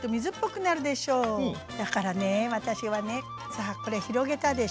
だからね私はねさあこれ広げたでしょ？